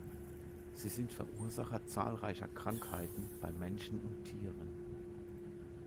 Sie sind Verursacher zahlreicher Krankheiten bei Menschen und Tieren.